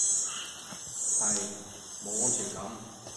係，冇安全感